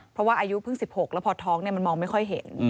เพราะว่าอายุเพิ่ง๑๖แล้วพอท้องมันมองไม่ค่อยเห็น